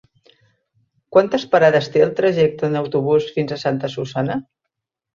Quantes parades té el trajecte en autobús fins a Santa Susanna?